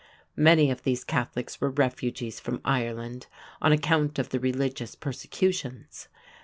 Many of these Catholics were refugees from Ireland on account of the religious persecutions.